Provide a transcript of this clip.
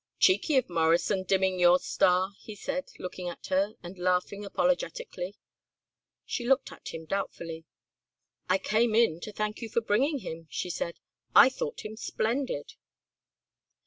"Cheeky of Morrison, dimming your star," he said, looking at her and laughing apologetically. Sue looked at him doubtfully. "I came in to thank you for bringing him," she said; "I thought him splendid."